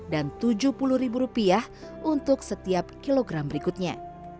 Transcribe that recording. dan tujuh puluh ribu rupiah untuk setiap kilogram berikutnya